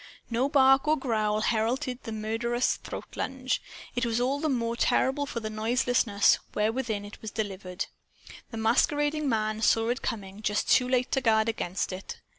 No bark or growl heralded the murderous throatlunge. It was all the more terrible for the noiselessness wherewith it was delivered. The masquerading man saw it coming, just too late to guard against it.